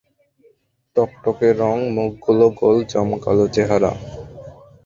টকটকে রঙ, মুখখানা গোল, জমকালো চেহারা।